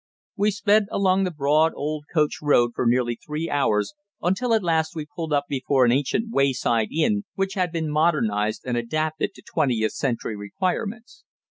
We sped along the broad old coach road for nearly three hours, until at last we pulled up before an ancient wayside inn which had been modernized and adapted to twentieth century requirements.